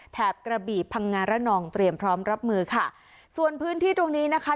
กระบี่พังงาระนองเตรียมพร้อมรับมือค่ะส่วนพื้นที่ตรงนี้นะคะ